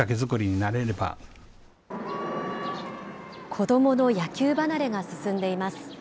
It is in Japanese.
子どもの野球離れが進んでいます。